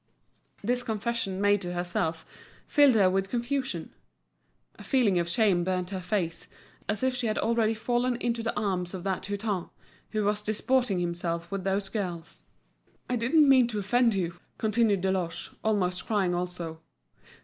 This confession made to herself filled her with confusion. A feeling of shame burnt her face, as if she had already fallen into the arms of that Hutin, who was disporting himself with those girls. "I didn't mean to offend you," continued Deloche, almost crying also.